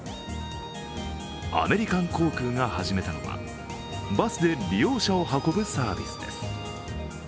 アメリカン航空が始めたのはバスで利用者を運ぶサービスです。